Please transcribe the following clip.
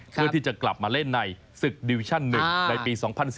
เพื่อที่จะกลับมาเล่นในศึกดิวิชั่น๑ในปี๒๐๑๙